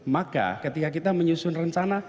maka ketika kita menyusun rencana